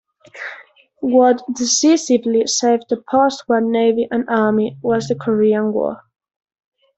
What decisively saved the postwar Navy and Army, was the Korean War.